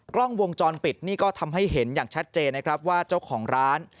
กล้องวงจรปิดนี่ก็ทำให้เห็นอย่างชัดเจนนะครับว่าเจ้าของร้าน